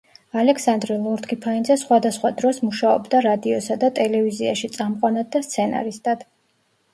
ალექსანდრე ლორთქიფანიძე სხვადასხვა დროს მუშაობდა რადიოსა და ტელევიზიაში წამყვანად და სცენარისტად.